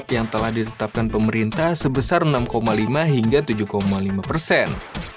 yang telah ditetapkan pemerintah sebesar enam lima hingga tujuh lima persen